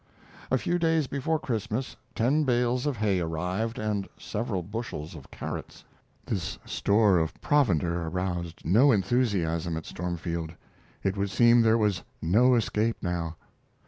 A few days before Christmas ten bales of hay arrived and several bushels of carrots. This store of provender aroused no enthusiasm at Stormfield. It would seem there was no escape now.